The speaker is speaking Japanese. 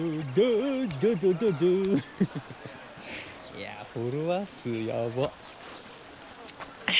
いやフォロワー数やば。